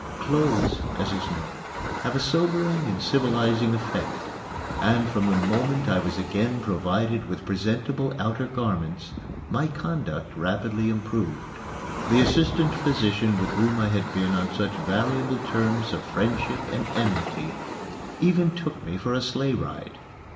Clothes, as is known, have a sobering and civilizing effect, and from the very moment I was again provided with presentable outer garments my conduct rapidly improved. The assistant physician with whom I had been on such variable terms of friendship and enmity even took me for a sleigh ride.